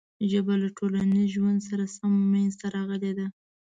ژبه له ټولنیز ژوند سره سمه منځ ته راغلې ده.